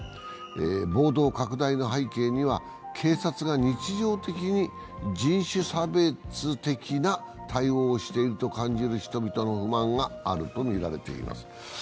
暴動拡大の背景には、警察が日常的に人種差別的な対応をしていると感じる人々の不満があるとみられています。